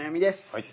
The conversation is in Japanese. はい。